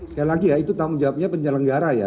sekali lagi ya itu tanggung jawabnya penyelenggara ya